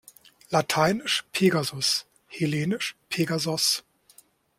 Lateinisch Pegasus, hellenisch Pegasos.